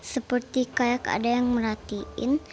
seperti kayak ada yang merhatiin